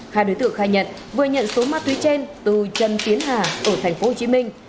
hai đối tượng khai nhận vừa nhận số ma túy trên từ trần tiến hà ở thành phố hồ chí minh